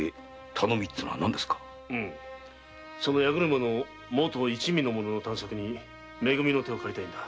その八車のもと一味の者の探索にめ組の手を借りたいのだ。